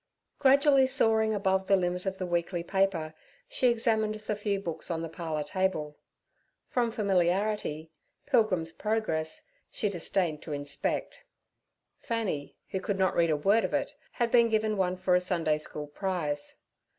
Gradually soaring above the limit of the weekly paper, she examined the few books on the parlour table. From familiarity, 'Pilgrim's Progress' she disdained to inspect; Fanny, who could not read a word of it, had been given one for a Sunday school prize.